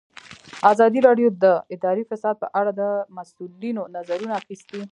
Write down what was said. ازادي راډیو د اداري فساد په اړه د مسؤلینو نظرونه اخیستي.